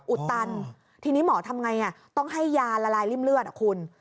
อุดตันทีนี้หมอทำไงต้องให้ยาละลายริ่มเลือดอ่ะคุณ